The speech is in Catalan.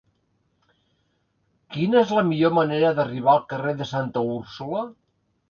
Quina és la millor manera d'arribar al carrer de Santa Úrsula?